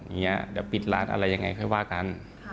เดี๋ยวปิดร้านอะไรยังไงค่อยว่ากัน